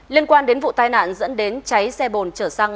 liên quan đến vụ tai nạn dẫn đến cháy xe bồn trở sang